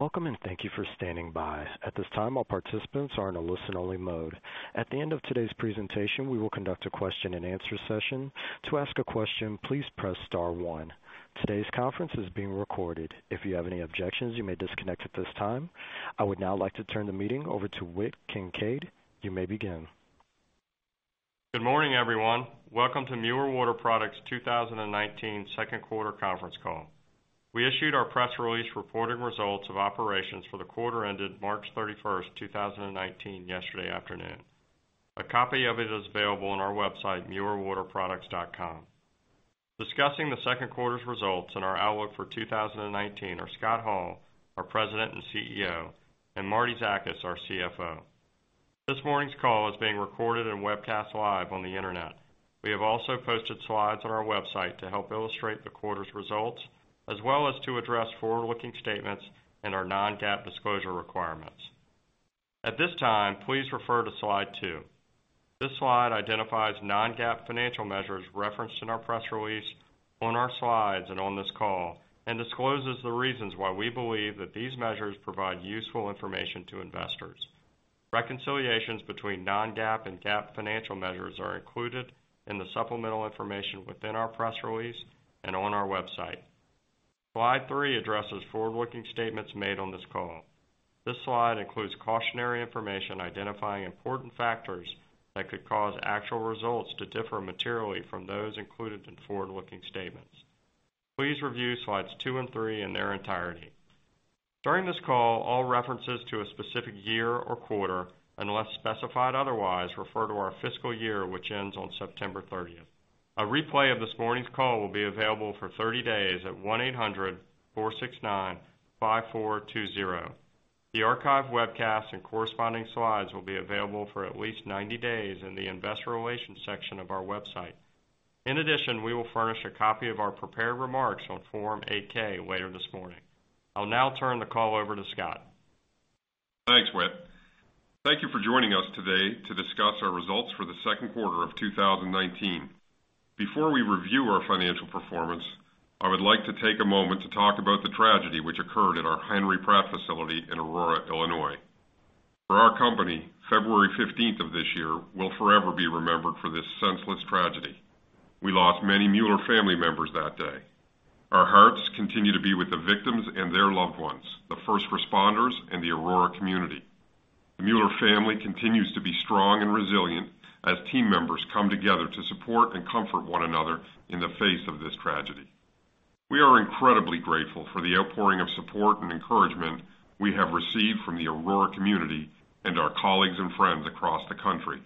Welcome, and thank you for standing by. At this time, all participants are in a listen-only mode. At the end of today's presentation, we will conduct a question and answer session. To ask a question, please press star one. Today's conference is being recorded. If you have any objections, you may disconnect at this time. I would now like to turn the meeting over to Whit Kincaid. You may begin. Good morning, everyone. Welcome to Mueller Water Products 2019 second quarter conference call. We issued our press release reporting results of operations for the quarter ended March 31st, 2019 yesterday afternoon. A copy of it is available on our website, muellerwaterproducts.com. Discussing the second quarter's results and our outlook for 2019 are Scott Hall, our President and CEO, and Martie Zakas, our CFO. This morning's call is being recorded and webcast live on the Internet. We have also posted slides on our website to help illustrate the quarter's results, as well as to address forward-looking statements and our non-GAAP disclosure requirements. At this time, please refer to slide two. This slide identifies non-GAAP financial measures referenced in our press release, on our slides, and on this call discloses the reasons why we believe that these measures provide useful information to investors. Reconciliations between non-GAAP and GAAP financial measures are included in the supplemental information within our press release and on our website. Slide three addresses forward-looking statements made on this call. This slide includes cautionary information identifying important factors that could cause actual results to differ materially from those included in forward-looking statements. Please review slides two and three in their entirety. During this call, all references to a specific year or quarter, unless specified otherwise, refer to our fiscal year, which ends on September 30th. A replay of this morning's call will be available for 30 days at 1-800-469-5420. The archive webcast and corresponding slides will be available for at least 90 days in the investor relations section of our website. We will furnish a copy of our prepared remarks on Form 8-K later this morning. I'll now turn the call over to Scott. Thanks, Whit. Thank you for joining us today to discuss our results for the second quarter of 2019. Before we review our financial performance, I would like to take a moment to talk about the tragedy which occurred at our Henry Pratt facility in Aurora, Illinois. For our company, February 15th of this year will forever be remembered for this senseless tragedy. We lost many Mueller family members that day. Our hearts continue to be with the victims and their loved ones, the first responders, and the Aurora community. The Mueller family continues to be strong and resilient as team members come together to support and comfort one another in the face of this tragedy. We are incredibly grateful for the outpouring of support and encouragement we have received from the Aurora community and our colleagues and friends across the country.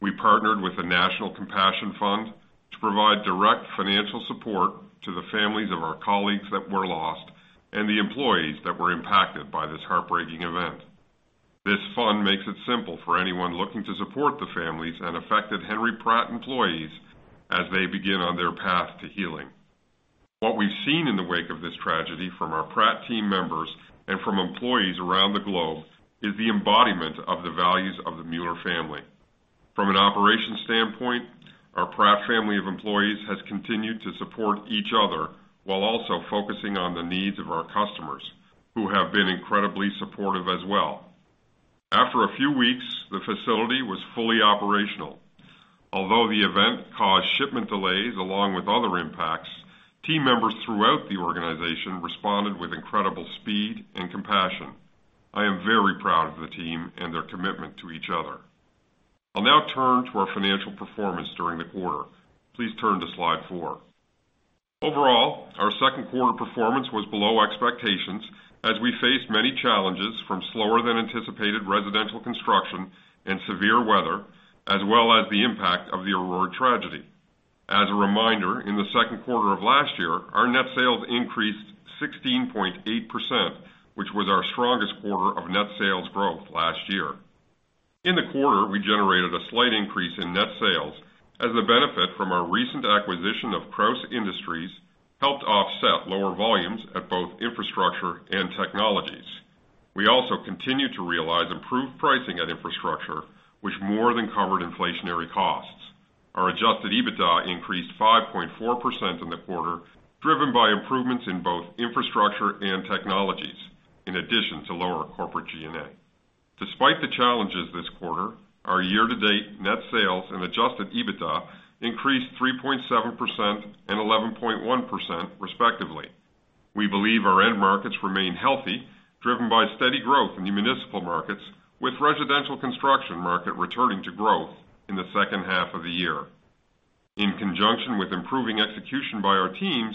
We partnered with the National Compassion Fund to provide direct financial support to the families of our colleagues that were lost and the employees that were impacted by this heartbreaking event. This fund makes it simple for anyone looking to support the families and affected Henry Pratt employees as they begin on their path to healing. What we've seen in the wake of this tragedy from our Pratt team members and from employees around the globe is the embodiment of the values of the Mueller family. From an operations standpoint, our Pratt family of employees has continued to support each other while also focusing on the needs of our customers, who have been incredibly supportive as well. After a few weeks, the facility was fully operational. Although the event caused shipment delays, along with other impacts, team members throughout the organization responded with incredible speed and compassion. I am very proud of the team and their commitment to each other. I'll now turn to our financial performance during the quarter. Please turn to slide four. Overall, our second quarter performance was below expectations as we faced many challenges from slower than anticipated residential construction and severe weather, as well as the impact of the Aurora tragedy. As a reminder, in the second quarter of last year, our net sales increased 16.8%, which was our strongest quarter of net sales growth last year. In the quarter, we generated a slight increase in net sales as the benefit from our recent acquisition of Krausz Industries helped offset lower volumes at both Infrastructure and Technologies. We also continued to realize improved pricing at Infrastructure, which more than covered inflationary costs. Our adjusted EBITDA increased 5.4% in the quarter, driven by improvements in both Infrastructure and Technologies, in addition to lower corporate G&A. Despite the challenges this quarter, our year-to-date net sales and adjusted EBITDA increased 3.7% and 11.1% respectively. We believe our end markets remain healthy, driven by steady growth in the municipal markets, with residential construction market returning to growth in the second half of the year. In conjunction with improving execution by our teams,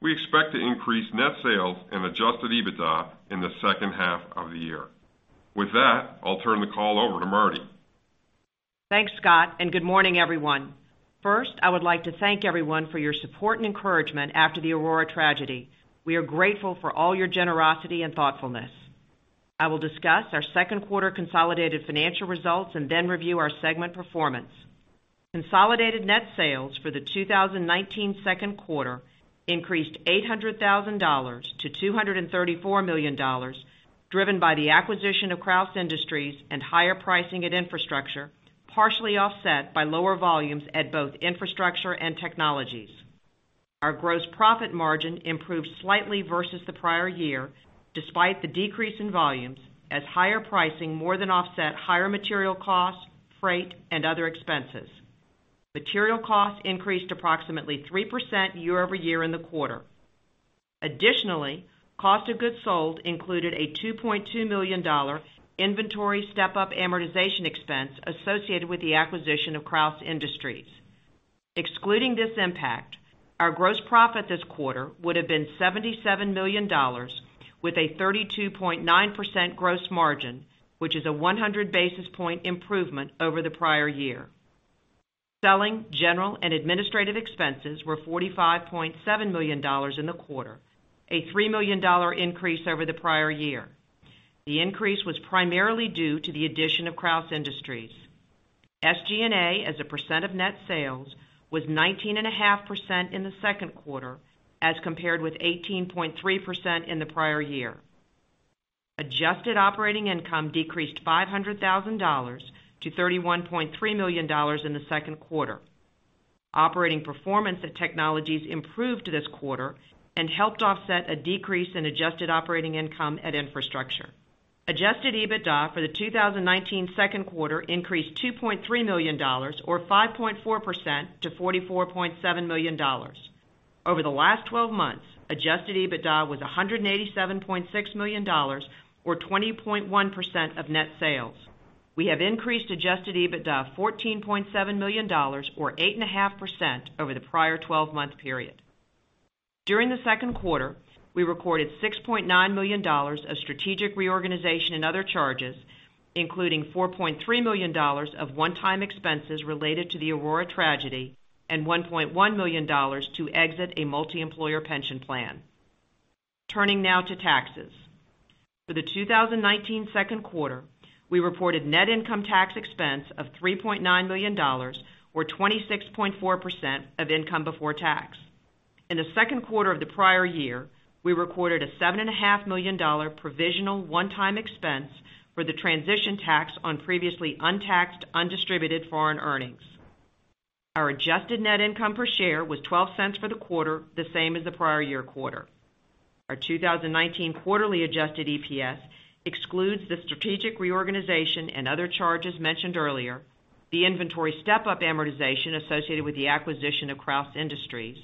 we expect to increase net sales and adjusted EBITDA in the second half of the year. With that, I'll turn the call over to Martie. Thanks, Scott, good morning, everyone. First, I would like to thank everyone for your support and encouragement after the Aurora tragedy. We are grateful for all your generosity and thoughtfulness. I will discuss our second quarter consolidated financial results and then review our segment performance. Consolidated net sales for the 2019 second quarter increased $800,000 to $234 million, driven by the acquisition of Krausz Industries and higher pricing at Infrastructure, partially offset by lower volumes at both Infrastructure and Technologies. Our gross profit margin improved slightly versus the prior year, despite the decrease in volumes, as higher pricing more than offset higher material costs, freight, and other expenses. Material costs increased approximately 3% year-over-year in the quarter. Additionally, cost of goods sold included a $2.2 million inventory step-up amortization expense associated with the acquisition of Krausz Industries. Excluding this impact, our gross profit this quarter would have been $77 million, with a 32.9% gross margin, which is a 100-basis point improvement over the prior year. Selling, general, and administrative expenses were $45.7 million in the quarter, a $3 million increase over the prior year. The increase was primarily due to the addition of Krausz Industries. SG&A as a percent of net sales was 19.5% in the second quarter as compared with 18.3% in the prior year. Adjusted operating income decreased $500,000 to $31.3 million in the second quarter. Operating performance at Technologies improved this quarter and helped offset a decrease in adjusted operating income at Infrastructure. Adjusted EBITDA for the 2019 second quarter increased $2.3 million, or 5.4%, to $44.7 million. Over the last 12 months, adjusted EBITDA was $187.6 million, or 20.1% of net sales. We have increased adjusted EBITDA $14.7 million, or 8.5%, over the prior 12-month period. During the second quarter, we recorded $6.9 million of strategic reorganization and other charges, including $4.3 million of one-time expenses related to the Aurora tragedy and $1.1 million to exit a multi-employer pension plan. Turning now to taxes. For the 2019 second quarter, we reported net income tax expense of $3.9 million, or 26.4% of income before tax. In the second quarter of the prior year, we recorded a $7.5 million provisional one-time expense for the transition tax on previously untaxed, undistributed foreign earnings. Our adjusted net income per share was $0.12 for the quarter, the same as the prior year quarter. Our 2019 quarterly adjusted EPS excludes the strategic reorganization and other charges mentioned earlier, the inventory step-up amortization associated with the acquisition of Krausz Industries,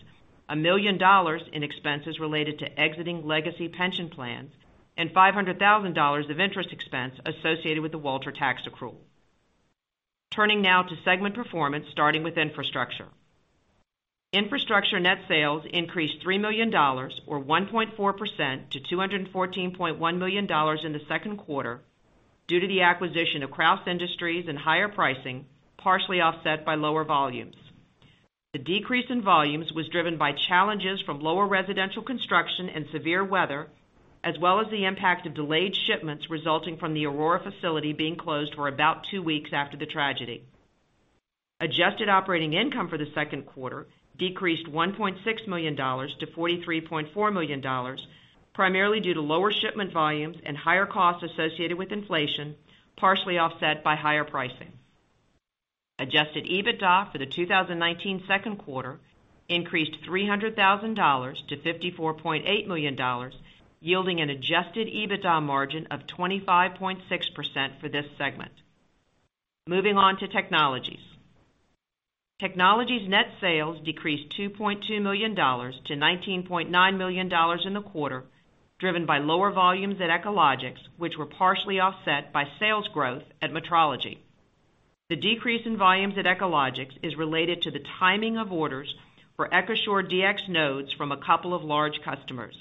$1 million in expenses related to exiting legacy pension plans, and $500,000 of interest expense associated with the Walter Energy tax accrual. Turning now to segment performance, starting with Infrastructure. Infrastructure net sales increased $3 million, or 1.4%, to $214.1 million in the second quarter due to the acquisition of Krausz Industries and higher pricing, partially offset by lower volumes. The decrease in volumes was driven by challenges from lower residential construction and severe weather, as well as the impact of delayed shipments resulting from the Aurora facility being closed for about two weeks after the tragedy. Adjusted operating income for the second quarter decreased $1.6 million to $43.4 million, primarily due to lower shipment volumes and higher costs associated with inflation, partially offset by higher pricing. Adjusted EBITDA for the 2019 second quarter increased $300,000 to $54.8 million, yielding an adjusted EBITDA margin of 25.6% for this segment. Moving on to Technologies. Technologies net sales decreased $2.2 million to $19.9 million in the quarter, driven by lower volumes at Echologics, which were partially offset by sales growth at Metrology. The decrease in volumes at Echologics is related to the timing of orders for EchoShore-DXs from a couple of large customers.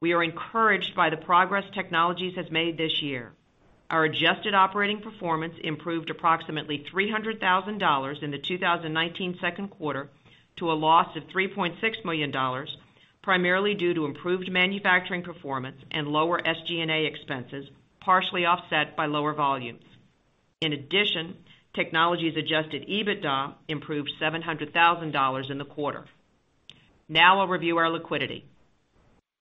We are encouraged by the progress Technologies has made this year. Our adjusted operating performance improved approximately $300,000 in the 2019 second quarter to a loss of $3.6 million, primarily due to improved manufacturing performance and lower SG&A expenses, partially offset by lower volumes. In addition, Technologies adjusted EBITDA improved $700,000 in the quarter. Now I'll review our liquidity.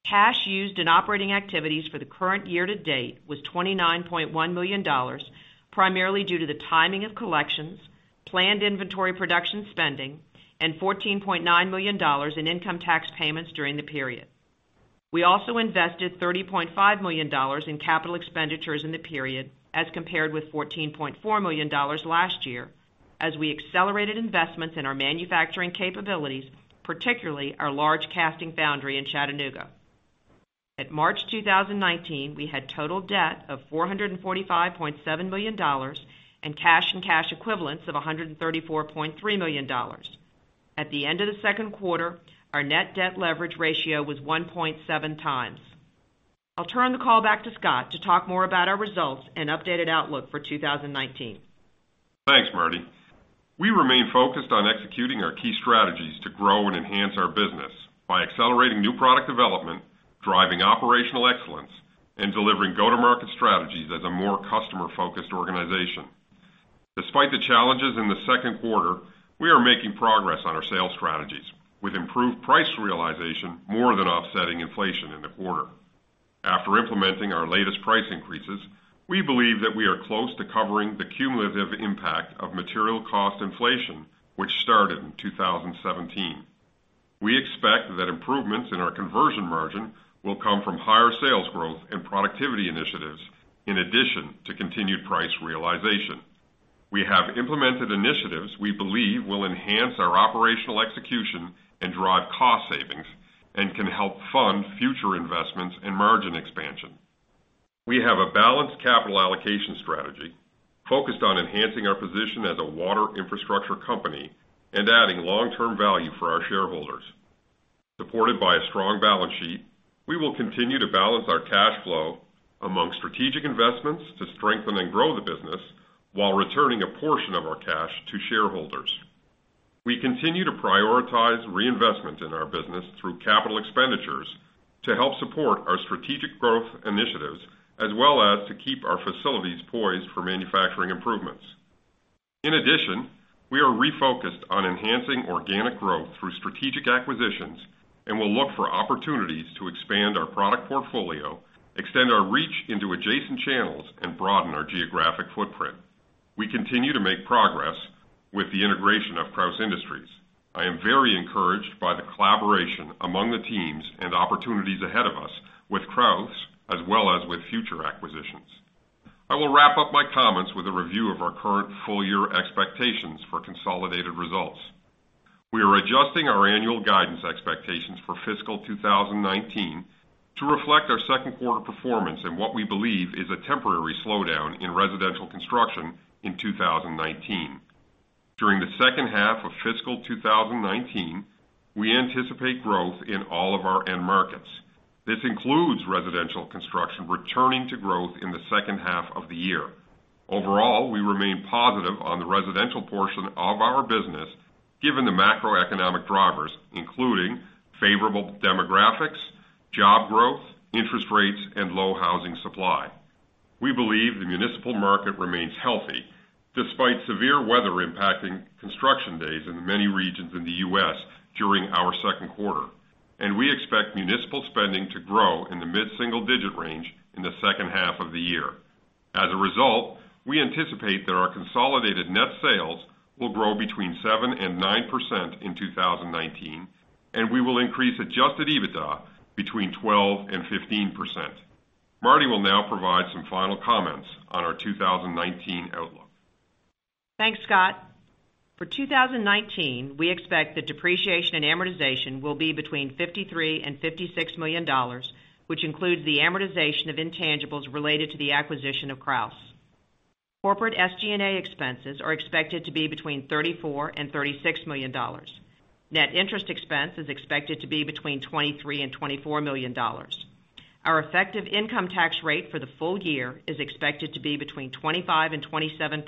Cash used in operating activities for the current year to date was $29.1 million, primarily due to the timing of collections, planned inventory production spending, and $14.9 million in income tax payments during the period. We also invested $30.5 million in capital expenditures in the period, as compared with $14.4 million last year, as we accelerated investments in our manufacturing capabilities, particularly our large casting foundry in Chattanooga. At March 2019, we had total debt of $445.7 million and cash and cash equivalents of $134.3 million. At the end of the second quarter, our net debt leverage ratio was 1.7 times. I'll turn the call back to Scott to talk more about our results and updated outlook for 2019. Thanks, Martie. We remain focused on executing our key strategies to grow and enhance our business by accelerating new product development, driving operational excellence, and delivering go-to-market strategies as a more customer-focused organization. Despite the challenges in the second quarter, we are making progress on our sales strategies, with improved price realization more than offsetting inflation in the quarter. After implementing our latest price increases, we believe that we are close to covering the cumulative impact of material cost inflation, which started in 2017. We expect that improvements in our conversion margin will come from higher sales growth and productivity initiatives, in addition to continued price realization. We have implemented initiatives we believe will enhance our operational execution and drive cost savings, and can help fund future investments and margin expansion. We have a balanced capital allocation strategy focused on enhancing our position as a water infrastructure company and adding long-term value for our shareholders. Supported by a strong balance sheet, we will continue to balance our cash flow among strategic investments to strengthen and grow the business while returning a portion of our cash to shareholders. We continue to prioritize reinvestment in our business through capital expenditures to help support our strategic growth initiatives, as well as to keep our facilities poised for manufacturing improvements. In addition, we are refocused on enhancing organic growth through strategic acquisitions and will look for opportunities to expand our product portfolio, extend our reach into adjacent channels, and broaden our geographic footprint. We continue to make progress with the integration of Krausz Industries. I am very encouraged by the collaboration among the teams and opportunities ahead of us with Krausz as well as with future acquisitions. I will wrap up my comments with a review of our current full-year expectations for consolidated results. We are adjusting our annual guidance expectations for fiscal 2019 to reflect our second quarter performance and what we believe is a temporary slowdown in residential construction in 2019. During the second half of fiscal 2019, we anticipate growth in all of our end markets. This includes residential construction returning to growth in the second half of the year. Overall, we remain positive on the residential portion of our business, given the macroeconomic drivers, including favorable demographics, job growth, interest rates, and low housing supply. We believe the municipal market remains healthy despite severe weather impacting construction days in many regions in the U.S. during our second quarter, and we expect municipal spending to grow in the mid-single-digit range in the second half of the year. As a result, we anticipate that our consolidated net sales will grow between 7% and 9% in 2019, and we will increase adjusted EBITDA between 12% and 15%. Martie will now provide some final comments on our 2019 outlook. Thanks, Scott. For 2019, we expect that depreciation and amortization will be between $53 million and $56 million, which includes the amortization of intangibles related to the acquisition of Krausz. Corporate SG&A expenses are expected to be between $34 million and $36 million. Net interest expense is expected to be between $23 million and $24 million. Our effective income tax rate for the full year is expected to be between 25% and 27%.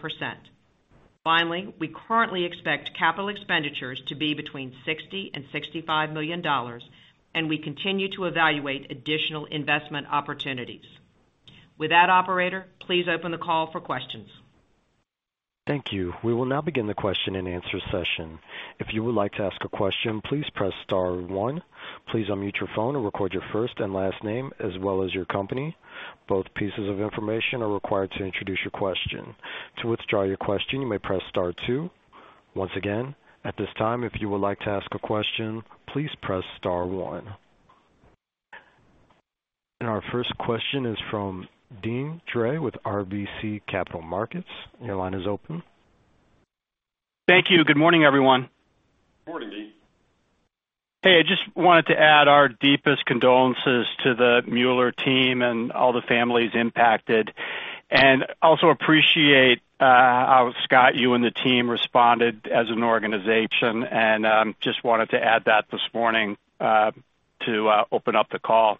Finally, we currently expect capital expenditures to be between $60 million and $65 million, and we continue to evaluate additional investment opportunities. With that, operator, please open the call for questions. Thank you. We will now begin the question and answer session. If you would like to ask a question, please press star one. Please unmute your phone and record your first and last name as well as your company. Both pieces of information are required to introduce your question. To withdraw your question, you may press star two. Once again, at this time, if you would like to ask a question, please press star one. Our first question is from Deane Dray with RBC Capital Markets. Your line is open. Thank you. Good morning, everyone. Morning, Deane. Hey, I just wanted to add our deepest condolences to the Mueller team and all the families impacted. Also appreciate how, Scott, you and the team responded as an organization, just wanted to add that this morning to open up the call.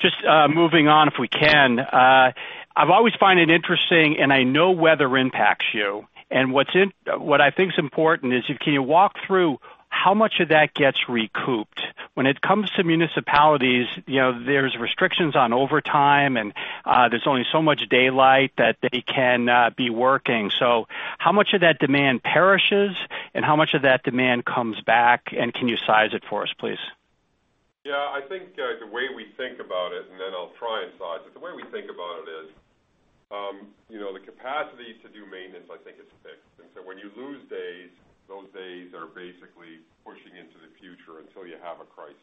Just moving on, if we can. I always find it interesting, I know weather impacts you. What I think is important is, can you walk through how much of that gets recouped? When it comes to municipalities, there's restrictions on overtime and there's only so much daylight that they can be working. How much of that demand perishes and how much of that demand comes back, and can you size it for us, please? Yeah, the way we think about it, then I'll try and size it. The way we think about it is, the capacity to do maintenance, I think is fixed. When you lose days, those days are basically pushing into the future until you have a crisis.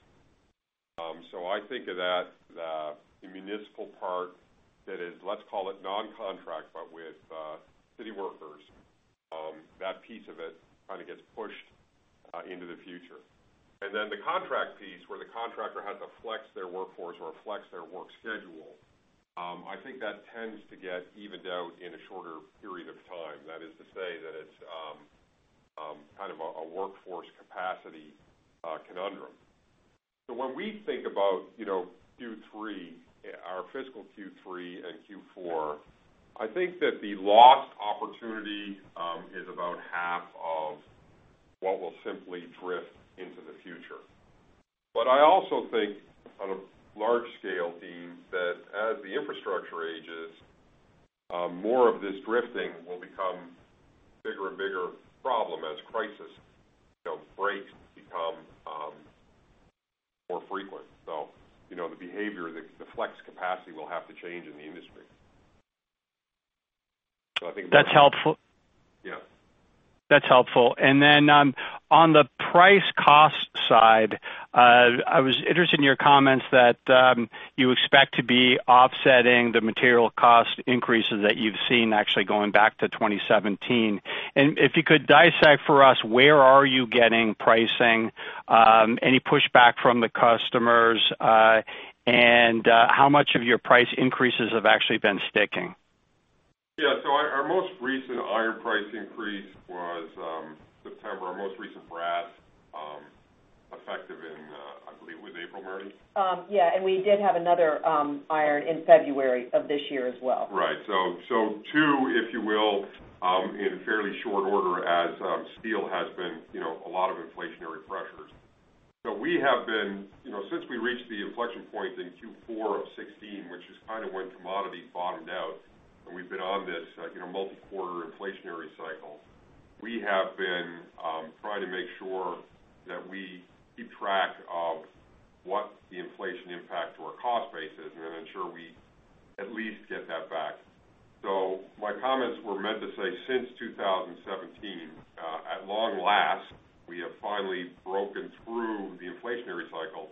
I think of that, the municipal part that is, let's call it non-contract, but with city workers, that piece of it kind of gets pushed into the future. Then the contract piece where the contractor had to flex their workforce or flex their work schedule, I think that tends to get evened out in a shorter period of time. That is to say that it's kind of a workforce capacity conundrum. When we think about Q3, our fiscal Q3 and Q4, I think that the lost opportunity is about half of what will simply drift into the future. I also think on a large scale, Deane, that as the infrastructure ages, more of this drifting will become bigger and bigger problem as crisis. The breaks become more frequent. The behavior, the flex capacity will have to change in the industry. That's helpful. Yeah. That's helpful. Then, on the price cost side, I was interested in your comments that you expect to be offsetting the material cost increases that you've seen actually going back to 2017. If you could dissect for us, where are you getting pricing? Any pushback from the customers? How much of your price increases have actually been sticking? Yeah. Our most recent iron price increase was September. Our most recent brass, effective in, I believe it was April, Martie? Yeah, we did have another iron in February of this year as well. Right. Two, if you will, in fairly short order as steel has been, a lot of inflationary pressures. We have been, since we reached the inflection point in Q4 of 2016, which is kind of when commodities bottomed out, and we've been on this multi-quarter inflationary cycle, we have been trying to make sure that we keep track of what the inflation impact to our cost base is, and then ensure we at least get that back. My comments were meant to say, since 2017, at long last, we have finally broken through the inflationary cycle,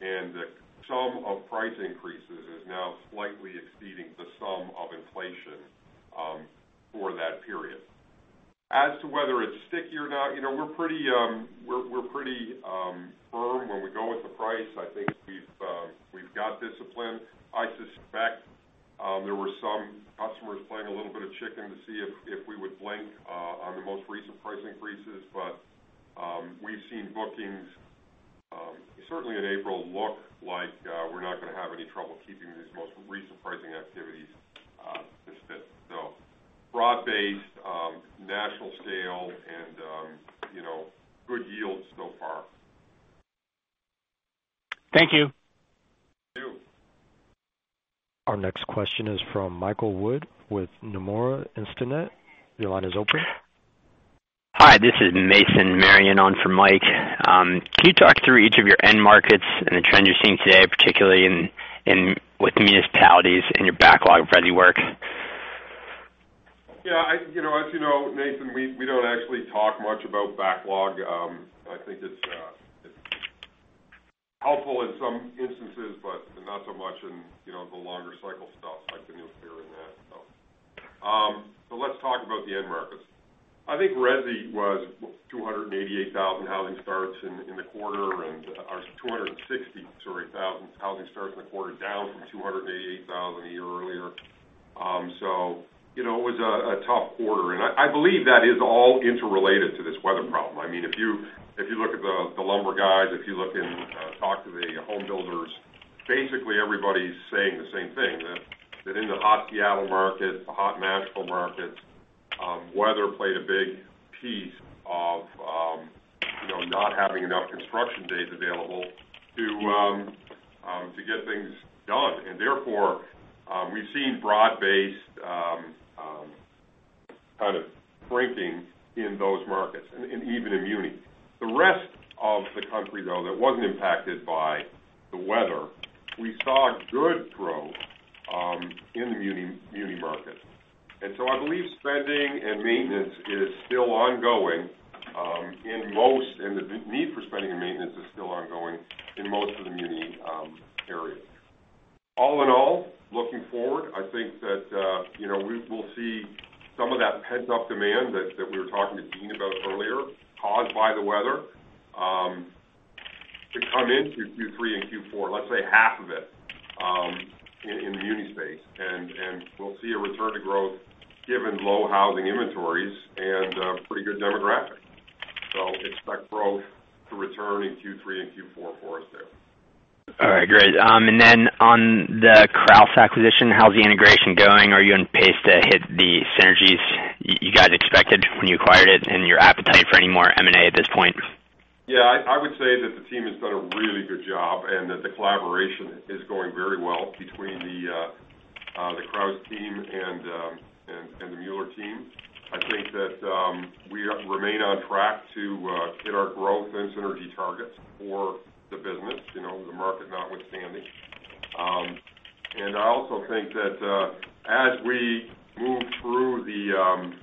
and the sum of price increases is now slightly exceeding the sum of inflation for that period. As to whether it's sticky or not, we're pretty firm when we go with the price. I think we've got discipline. I suspect, there were some customers playing a little bit of chicken to see if we would blink on the most recent price increases. We've seen bookings, certainly in April, look like we're not gonna have any trouble keeping these most recent pricing activities, to fit. Broad-based, national scale and good yields so far. Thank you. Thank you. Our next question is from Michael Wood with Nomura Instinet. Your line is open. Hi, this is Mason Marion on for Mike. Can you talk through each of your end markets and the trends you're seeing today, particularly with the municipalities and your backlog of resi work? Yeah. As you know, Mason, we don't actually talk much about backlog. I think it's helpful in some instances, but not so much in the longer cycle stuff, like the nuclear in that. Let's talk about the end markets. I think resi was 288,000 housing starts in the quarter, or 260,000, sorry, housing starts in the quarter, down from 288,000 a year earlier. It was a tough quarter, and I believe that is all interrelated to this weather problem. If you look at the lumber guys, if you talk to the home builders, basically everybody's saying the same thing. That in the hot Seattle market, the hot Nashville market, weather played a big piece of not having enough construction days available to get things done. Therefore, we've seen broad-based kind of shrinking in those markets, and even in muni. The rest of the country, though, that wasn't impacted by the weather, we saw good growth in the muni market. I believe spending and maintenance is still ongoing, and the need for spending and maintenance is still ongoing in most of the muni areas. All in all, looking forward, I think that we'll see some of that pent-up demand that we were talking to Deane about earlier, caused by the weather, to come into Q3 and Q4. Let's say half of it in the muni space. We'll see a return to growth given low housing inventories and pretty good demographics. Expect growth to return in Q3 and Q4 for us there. All right, great. On the Krausz acquisition, how's the integration going? Are you on pace to hit the synergies you guys expected when you acquired it, and your appetite for any more M&A at this point? Yeah. I would say that the team has done a really good job, and that the collaboration is going very well between the Krausz team and the Mueller team. I think that we remain on track to hit our growth and synergy targets for the business, the market notwithstanding. I also think that as we move through the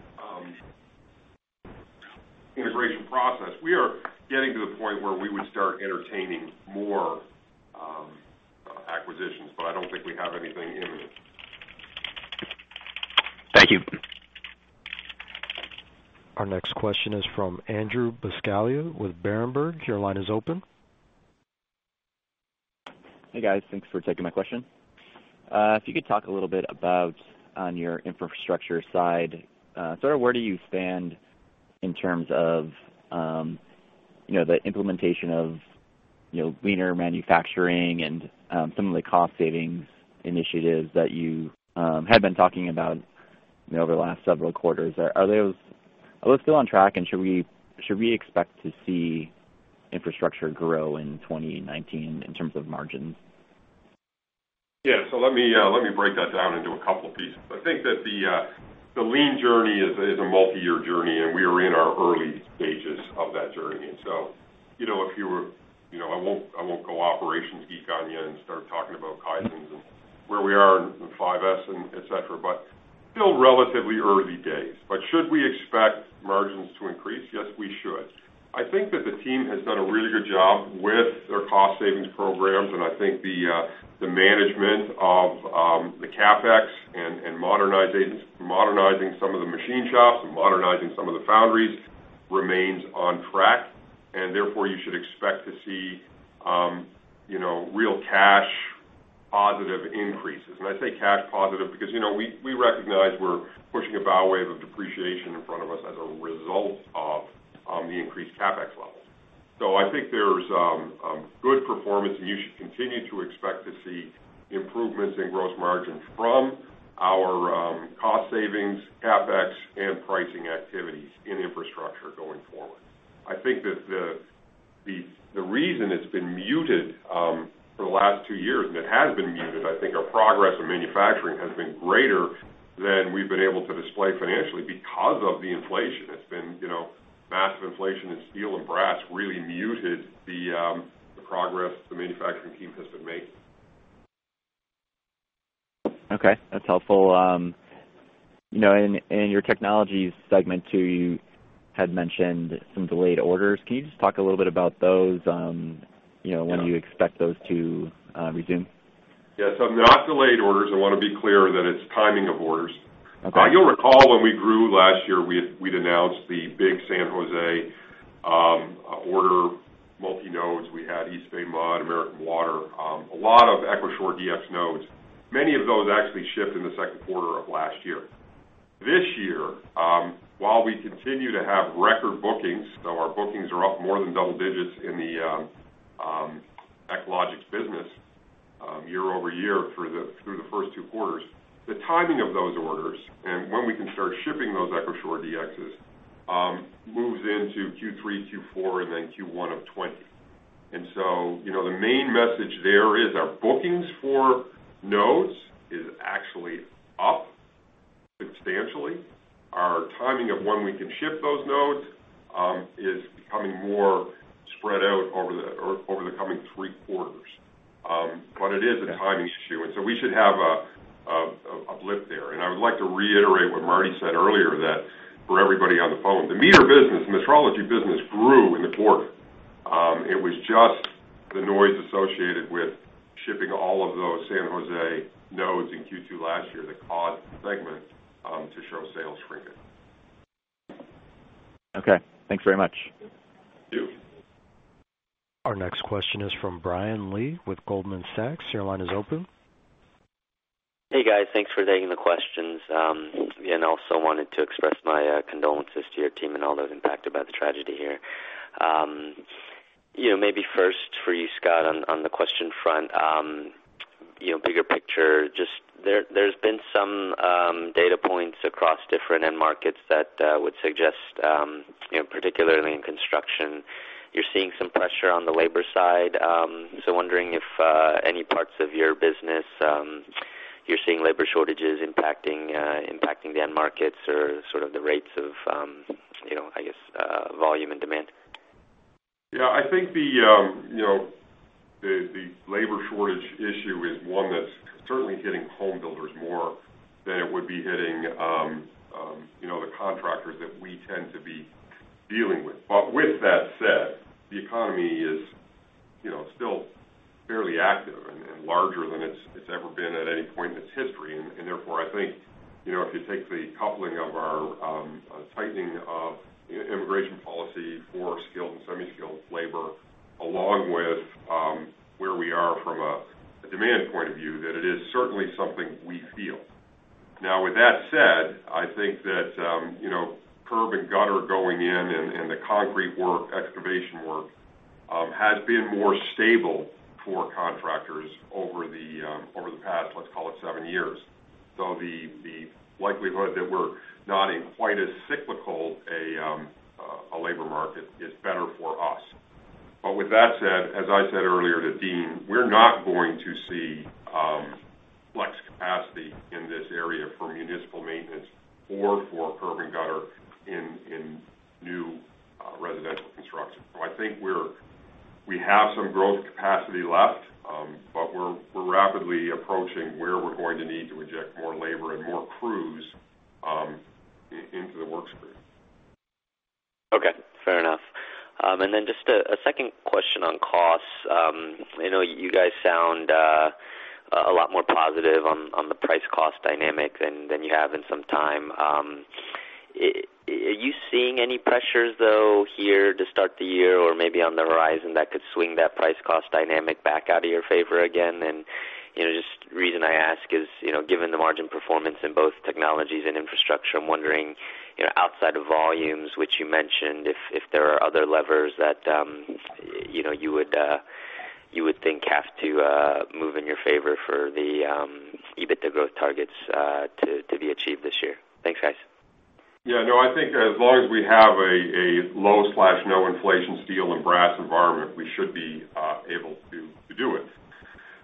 integration process, we are getting to the point where we would start entertaining more acquisitions, but I don't think we have anything imminent. Thank you. Our next question is from Andrew Buscaglia with Berenberg. Your line is open. Hey, guys. Thanks for taking my question. If you could talk a little bit about on your Infrastructure side, sort of where do you stand in terms of the implementation of leaner manufacturing and some of the cost savings initiatives that you had been talking about over the last several quarters. Are those still on track, and should we expect to see Infrastructure grow in 2019 in terms of margins? Yeah. Let me break that down into a couple pieces. I think that the lean journey is a multi-year journey, and we are in our early stages of that journey. I won't go operations geek on you and start talking about Kaizen and where we are in 5S, et cetera, but still relatively early days. Should we expect margins to increase? Yes, we should. I think that the team has done a really good job with their cost savings programs, and I think the management of the CapEx and modernizing some of the machine shops and modernizing some of the foundries remains on track, and therefore you should expect to see real cash positive increases. I say cash positive because we recognize we're pushing a bow wave of depreciation in front of us as a result of the increased CapEx levels. I think there's good performance, and you should continue to expect to see improvements in gross margins from our cost savings, CapEx, and pricing activities in Infrastructure going forward. I think that the reason it's been muted for the last two years, and it has been muted, I think our progress in manufacturing has been greater than we've been able to display financially because of the inflation. Massive inflation in steel and brass really muted the progress the manufacturing team has been making. Okay. That's helpful. In your Technologies segment, too, you had mentioned some delayed orders. Can you just talk a little bit about those? Yeah. When do you expect those to resume? Yeah. Not delayed orders. I want to be clear that it's timing of orders. Okay. You'll recall when we grew last year, we'd announced the big San Jose order, multi nodes. We had East Bay MUD, American Water, a lot of EchoShore-DX nodes. Many of those actually shipped in the second quarter of last year. This year, while we continue to have record bookings, our bookings are up more than double digits in the Echologics business year-over-year through the first two quarters. The timing of those orders and when we can start shipping those EchoShore-DXs moves into Q3, Q4, and Q1 of 2020. The main message there is our bookings for nodes is actually up substantially. Our timing of when we can ship those nodes is becoming more spread out over the coming three quarters. It is a timing issue, we should have a blip there. I would like to reiterate what Martie said earlier, that for everybody on the phone, the meter business, Metrology business grew in the quarter. It was just the noise associated with shipping all of those San Jose nodes in Q2 last year that caused the segment to show sales shrinkage. Okay. Thanks very much. Thank you. Our next question is from Brian Lee with Goldman Sachs. Your line is open. Hey, guys. Thanks for taking the questions. Again, also wanted to express my condolences to your team and all those impacted by the tragedy here. Maybe first for you, Scott, on the question front, bigger picture, there's been some data points across different end markets that would suggest, particularly in construction, you're seeing some pressure on the labor side. Wondering if any parts of your business you're seeing labor shortages impacting the end markets or sort of the rates of, I guess, volume and demand. Yeah, I think the labor shortage issue is one that's certainly hitting home builders more than it would be hitting the contractors that we tend to be dealing with. With that said, the economy is still fairly active and larger than it's ever been at any point in its history. Therefore, I think, if you take the coupling of our tightening of immigration policy for skilled and semi-skilled labor, along with where we are from a demand point of view, that it is certainly something we feel. Now, with that said, I think that curb and gutter going in and the concrete work, excavation work has been more stable for contractors over the past, let's call it seven years. The likelihood that we're not in quite as cyclical a labor market is better for us. With that said, as I said earlier to Deane, we're not going to see flex capacity in this area for municipal maintenance or for curb and gutter in new residential construction. I think we have some growth capacity left, but we're rapidly approaching where we're going to need to inject more labor and more crews into the work stream. Okay, fair enough. Then just a second question on costs. I know you guys sound a lot more positive on the price-cost dynamic than you have in some time. Are you seeing any pressures, though, here to start the year or maybe on the horizon that could swing that price-cost dynamic back out of your favor again? Just the reason I ask is, given the margin performance in both Technologies and Infrastructure, I'm wondering, outside of volumes, which you mentioned, if there are other levers that you would think have to move in your favor for the EBITDA growth targets to be achieved this year. Thanks, guys. Yeah, no, I think as long as we have a low/no inflation steel and brass environment, we should be able to do it.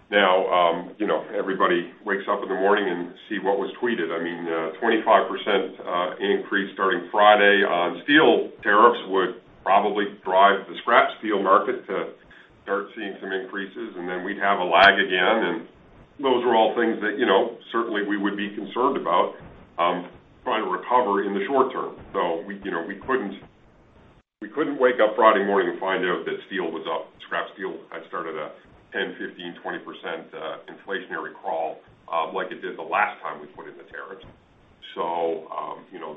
Now everybody wakes up in the morning and see what was tweeted. A 25% increase starting Friday on steel tariffs would probably drive the scrap steel market to start seeing some increases, then we'd have a lag again. Those are all things that certainly we would be concerned about trying to recover in the short term. We couldn't wake up Friday morning and find out that steel was up, scrap steel had started a 10%, 15%, 20% inflationary crawl like it did the last time we put in the tariffs.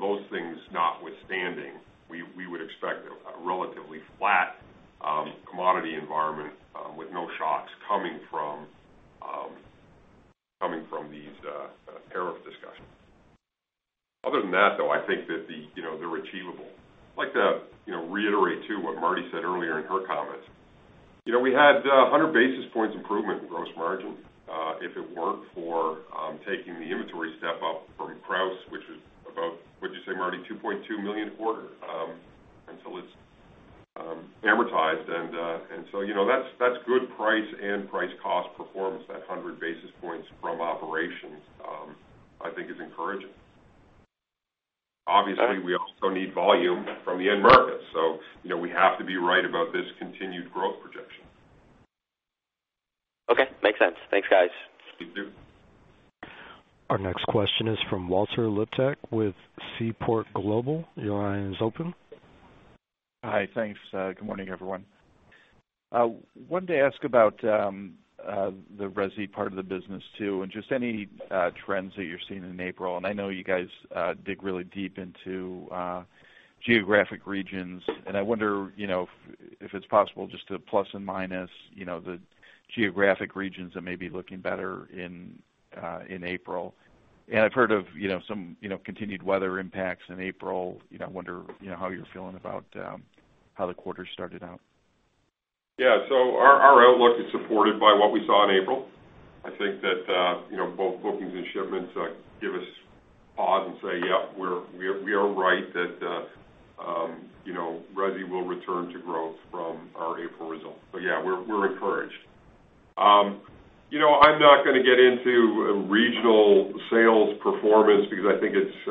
Those things notwithstanding, we would expect a relatively flat commodity environment with no shocks coming from these tariff discussions. Other than that, though, I think that they're achievable. I'd like to reiterate, too, what Martie said earlier in her comments. We had 100 basis points improvement in gross margin if it weren't for taking the inventory step up from Krausz, which is about, what'd you say, Martie, $2.2 million a quarter until it's amortized. That's good price and price cost performance. That 100 basis points from operations I think is encouraging. Obviously, we also need volume from the end market. We have to be right about this continued growth projection. Okay. Makes sense. Thanks, guys. Thank you. Our next question is from Walt Lipiec with Seaport Global. Your line is open. Hi. Thanks. Good morning, everyone. I wanted to ask about the resi part of the business, too, and just any trends that you're seeing in April. I know you guys dig really deep into geographic regions, and I wonder if it's possible just to plus and minus the geographic regions that may be looking better in April. I've heard of some continued weather impacts in April. I wonder how you're feeling about how the quarter started out. Yeah. Our outlook is supported by what we saw in April. I think that both bookings and shipments give us pause and say, yeah, we are right that resi will return to growth from our April result. Yeah, we're encouraged. I'm not going to get into regional sales performance because I think it's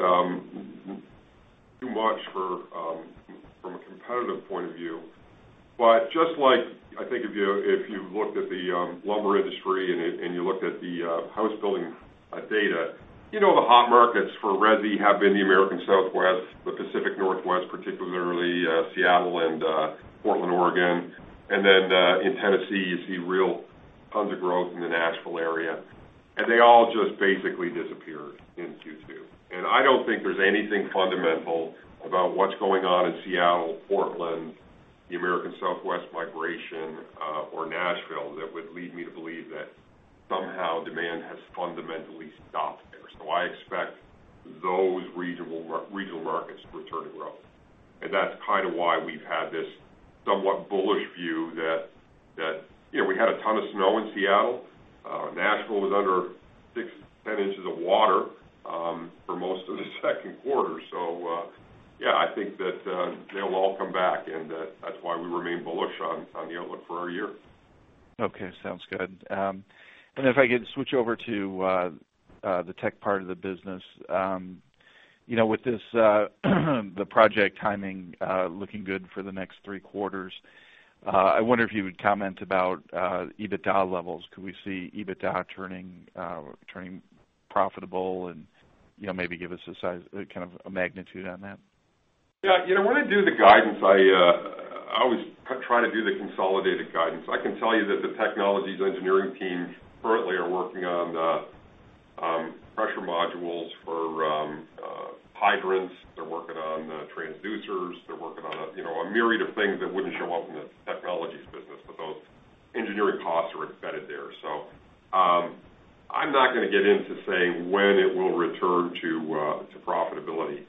too much from a competitive point of view. Just like if you looked at the lumber industry and you looked at the house building data, you know the hot markets for resi have been the American Southwest, the Pacific Northwest, particularly Seattle and Portland, Oregon, and then in Tennessee, you see real tons of growth in the Nashville area, and they all just basically disappeared in Q2. I don't think there's anything fundamental about what's going on in Seattle, Portland, the American Southwest migration, or Nashville that would lead me to believe that somehow demand has fundamentally stopped there. I expect those regional markets to return to growth. That's kind of why we've had this somewhat bullish view that we had a ton of snow in Seattle. Nashville was under 6 to 10 inches of water for most of the second quarter. Yeah, I think that they'll all come back, and that's why we remain bullish on the outlook for our year. Okay. Sounds good. If I could switch over to the tech part of the business. With the project timing looking good for the next three quarters, I wonder if you would comment about EBITDA levels. Could we see EBITDA turning profitable, and maybe give us a size, kind of a magnitude on that? Yeah. When I do the guidance, I always try to do the consolidated guidance. I can tell you that the Technologies engineering team currently are working on the pressure modules for hydrants. They're working on the transducers. They're working on a myriad of things that wouldn't show up in the Technologies business, but those engineering costs are embedded there. I'm not going to get into saying when it will return to profitability.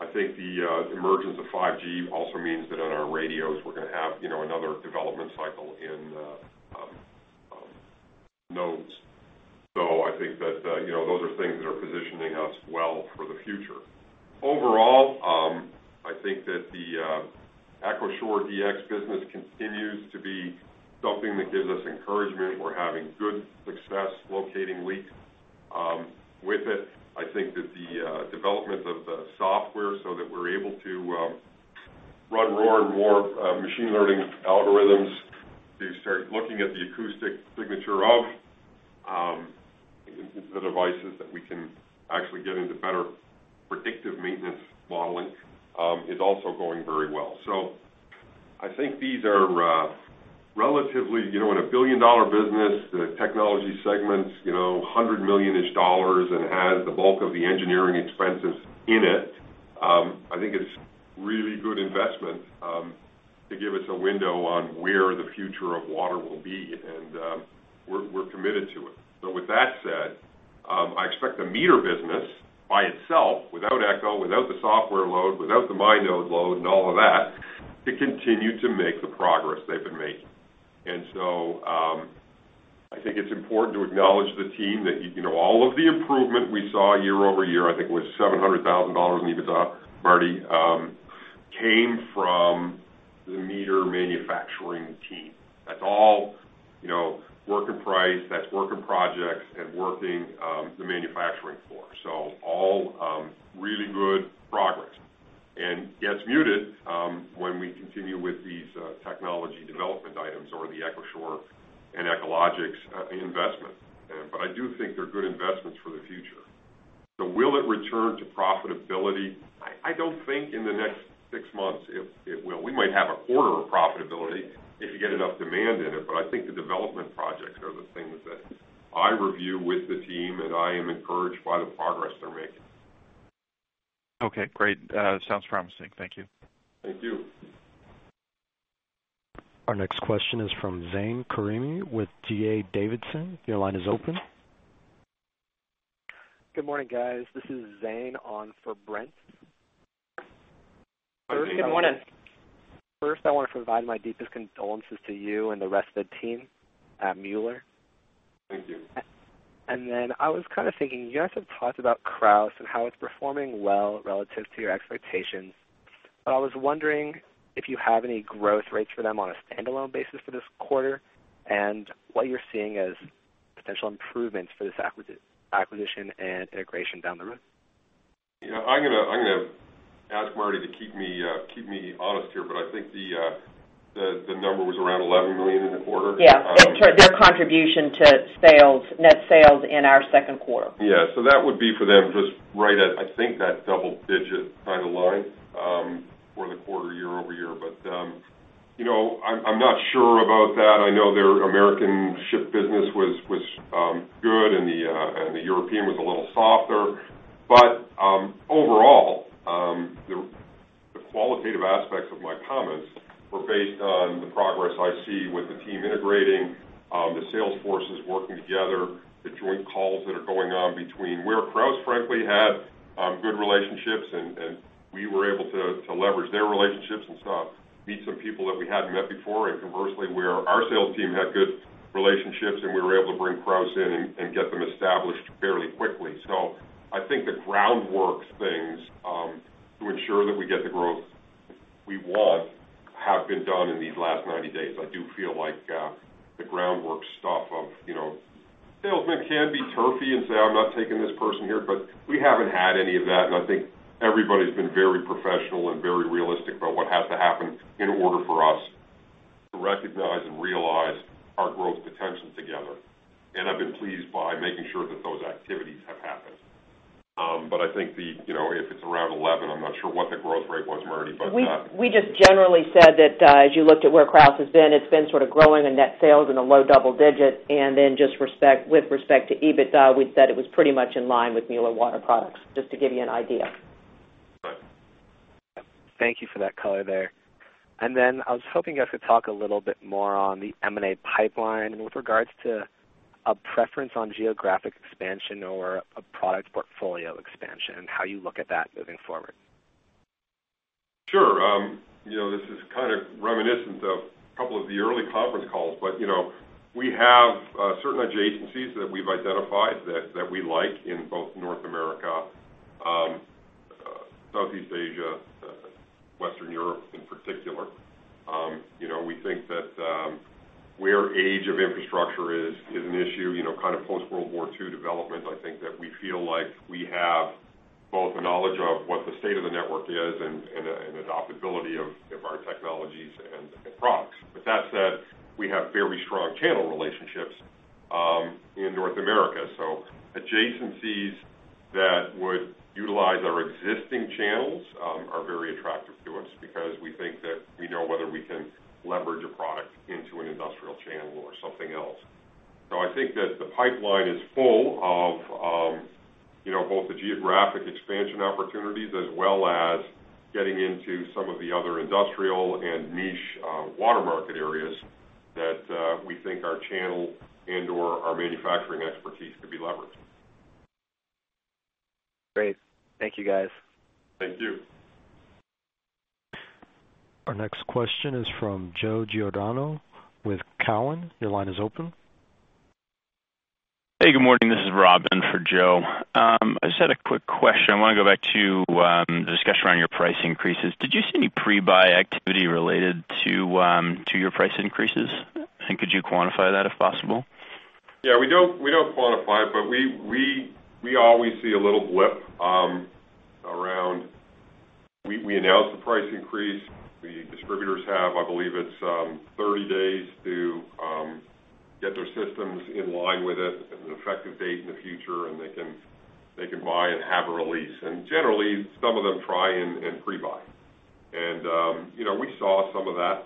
I think the emergence of 5G also means that on our radios, we're going to have another development cycle in nodes. I think that those are things that are positioning us well for the future. Overall, I think that the EchoShore-DX business continues to be something that gives us encouragement. We're having good success locating leaks with it. I think that the development of the software so that we're able to run more and more machine learning algorithms to start looking at the acoustic signature of the devices that we can actually get into better predictive maintenance modeling is also going very well. I think these are relatively in a billion-dollar business, the Technologies segment's $100 million-ish and has the bulk of the engineering expenses in it. I think it's really good investment to give us a window on where the future of water will be, and we're committed to it. With that said, I expect the meter business by itself, without Echo, without the software load, without the Mi.Node load and all of that, to continue to make the progress they've been making. I think it's important to acknowledge the team that all of the improvement we saw year-over-year, I think was $700,000 in EBITDA, Marty, came from the meter manufacturing team. That's all work in price, that's work in projects, and working the manufacturing floor. All really good progress, and gets muted when we continue with these technology development items or the EchoShore and Echologics investment. I do think they're good investments for the future. Will it return to profitability? I don't think in the next six months it will. We might have a quarter of profitability if you get enough demand in it. I think the development projects are the things that I review with the team, and I am encouraged by the progress they're making. Okay, great. Sounds promising. Thank you. Thank you. Our next question is from Zane Karimi with D.A. Davidson. Your line is open. Good morning, guys. This is Zane on for Brent. Hi, Zane. First, I want to provide my deepest condolences to you and the rest of the team at Mueller. Thank you. I was kind of thinking, you guys have talked about Krausz and how it's performing well relative to your expectations, but I was wondering if you have any growth rates for them on a standalone basis for this quarter and what you're seeing as potential improvements for this acquisition and integration down the road. I'm going to ask Marty to keep me honest here, but I think the number was around $11 million in the quarter. Yeah. Their contribution to net sales in our second quarter. That would be for them, just right at, I think, that double digit kind of line for the quarter year-over-year. I'm not sure about that. I know their American ship business was good and the European was a little softer. Overall, the qualitative aspects of my comments were based on the progress I see with the team integrating, the sales forces working together, the joint calls that are going on between where Krausz, frankly, had good relationships, and we were able to leverage their relationships and meet some people that we hadn't met before. Conversely, where our sales team had good relationships and we were able to bring Krausz in and get them established fairly quickly. I think the groundwork things to ensure that we get the growth we want have been done in these last 90 days. I do feel like the groundwork stuff of salesmen can be turfy and say, "I'm not taking this person here," but we haven't had any of that. I think everybody's been very professional and very realistic about what has to happen in order for us to recognize and realize our growth potential together. I've been pleased by making sure that those activities have happened. I think if it's around 11, I'm not sure what the growth rate was, Marty. We just generally said that as you looked at where Krausz has been, it's been sort of growing in net sales in a low double digit. Just with respect to EBITDA, we said it was pretty much in line with Mueller Water Products, just to give you an idea. Right. Thank you for that color there. I was hoping you could talk a little bit more on the M&A pipeline and with regards to a preference on geographic expansion or a product portfolio expansion and how you look at that moving forward. Sure. This is kind of reminiscent of a couple of the early conference calls. We have certain adjacencies that we've identified that we like in both North America, Southeast Asia, Western Europe in particular. We think that where age of infrastructure is an issue, kind of post-World War II development, I think that we feel like we have both a knowledge of what the state of the network is and an adoptability of our technologies and products. With that said, we have very strong channel relationships in North America. Adjacencies that would utilize our existing channels are very attractive to us because we think that we know whether we can leverage a product into an industrial channel or something else. I think that the pipeline is full of both the geographic expansion opportunities as well as getting into some of the other industrial and niche water market areas that we think our channel and/or our manufacturing expertise could be leveraged. Great. Thank you, guys. Thank you. Our next question is from Joe Giordano with Cowen. Your line is open. Hey, good morning. This is Robin for Joe. I just had a quick question. I want to go back to the discussion around your price increases. Did you see any pre-buy activity related to your price increases? Could you quantify that if possible? Yeah, we don't quantify it, but we always see a little blip around, we announce the price increase. The distributors have, I believe it's 30 days to get their systems in line with it at an effective date in the future, and they can buy and have a release. Generally, some of them try and pre-buy. We saw some of that,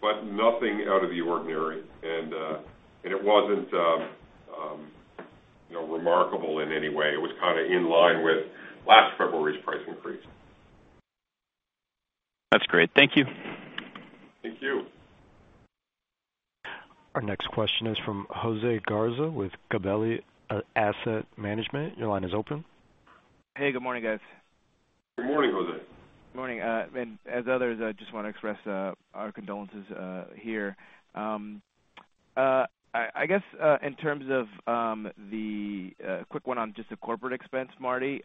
but nothing out of the ordinary. It wasn't remarkable in any way. It was kind of in line with last February's price increase. That's great. Thank you. Thank you. Our next question is from Jose Garza with Gabelli Asset Management. Your line is open. Hey, good morning, guys. Good morning, Jose. Good morning. As others, I just want to express our condolences here. I guess in terms of the quick one on just the corporate expense, Marti,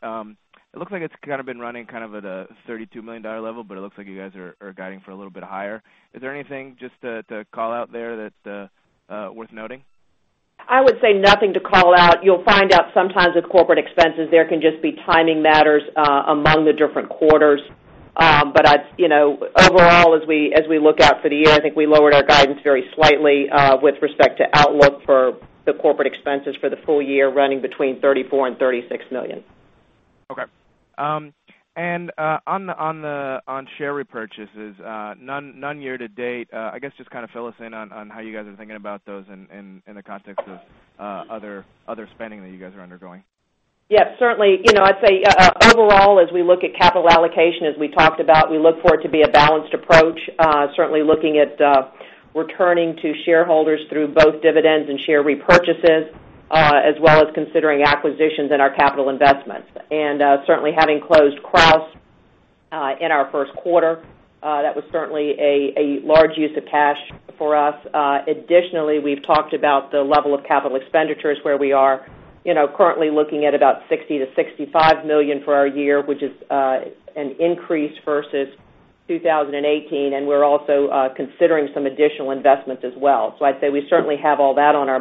it looks like it's kind of been running kind of at a $32 million level, but it looks like you guys are guiding for a little bit higher. Is there anything just to call out there that's worth noting? I would say nothing to call out. You'll find out sometimes with corporate expenses, there can just be timing matters among the different quarters. Overall, as we look out for the year, I think we lowered our guidance very slightly with respect to outlook for the corporate expenses for the full year running between $34 million and $36 million. Okay. On share repurchases, none year to date. I guess just kind of fill us in on how you guys are thinking about those in the context of other spending that you guys are undergoing. Yes, certainly. I'd say overall, as we look at capital allocation, as we talked about, we look for it to be a balanced approach. Certainly looking at returning to shareholders through both dividends and share repurchases, as well as considering acquisitions in our capital investments. Certainly, having closed Krausz in our first quarter, that was certainly a large use of cash for us. Additionally, we've talked about the level of capital expenditures where we are currently looking at about $60 million-$65 million for our year, which is an increase versus 2018, and we're also considering some additional investments as well. I'd say we certainly have all that on our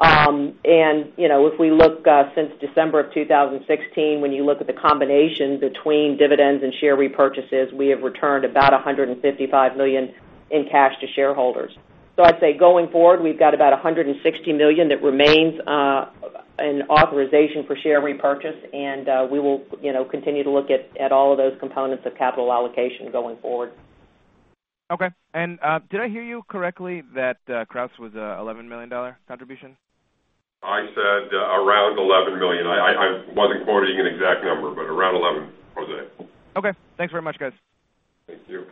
mind. If we look since December of 2016, when you look at the combination between dividends and share repurchases, we have returned about $155 million in cash to shareholders. I'd say going forward, we've got about $160 million that remains an authorization for share repurchase, and we will continue to look at all of those components of capital allocation going forward. Okay. Did I hear you correctly that Krausz was an $11 million contribution? I said around $11 million. I wasn't quoting an exact number, but around $11, Jose. Okay. Thanks very much, guys. Thank you.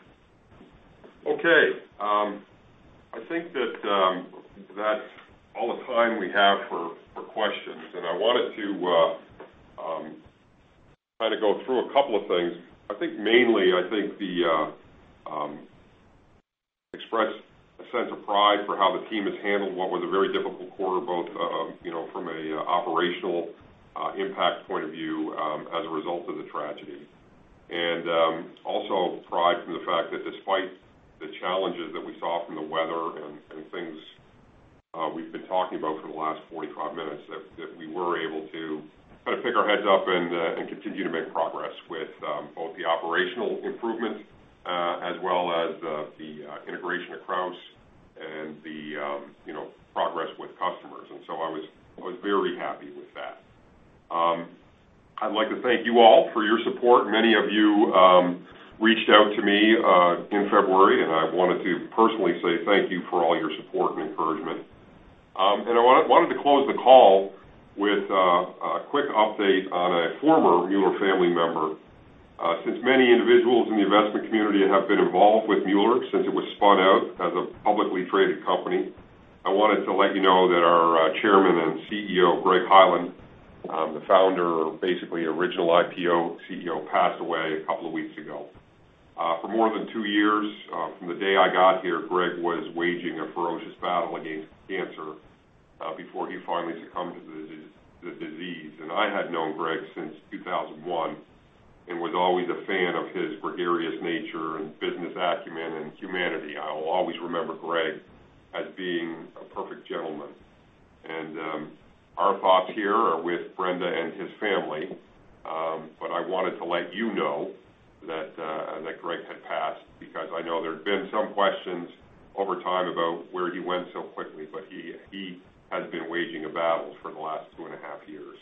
Okay. I think that's all the time we have for questions. I wanted to kind of go through a couple of things. I think mainly, I think express a sense of pride for how the team has handled what was a very difficult quarter, both from an operational impact point of view as a result of the tragedy. Also pride from the fact that despite the challenges that we saw from the weather and things we've been talking about for the last 45 minutes, that we were able to kind of pick our heads up and continue to make progress with both the operational improvements as well as the integration of Krausz and the progress with customers. I was very happy with that. I'd like to thank you all for your support. Many of you reached out to me in February, I wanted to personally say thank you for all your support and encouragement. I wanted to close the call with a quick update on a former Mueller family member. Since many individuals in the investment community have been involved with Mueller since it was spun out as a publicly traded company, I wanted to let you know that our chairman and CEO, Gregory Hyland, the founder, basically original IPO CEO, passed away a couple of weeks ago. For more than two years, from the day I got here, Greg was waging a ferocious battle against cancer before he finally succumbed to the disease. I had known Greg since 2001 and was always a fan of his gregarious nature and business acumen and humanity. I will always remember Greg as being a perfect gentleman. Our thoughts here are with Brenda and his family. I wanted to let you know that Greg had passed because I know there had been some questions over time about where he went so quickly, but he had been waging a battle for the last two and a half years.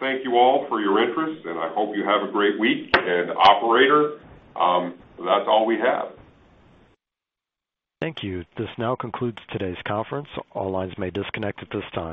Thank you all for your interest, and I hope you have a great week. Operator, that's all we have. Thank you. This now concludes today's conference. All lines may disconnect at this time.